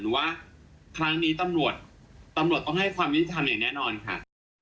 หรือว่าครั้งนี้ตำรวจต้องให้ความวิทย์ทำอย่างแน่นอนค่ะ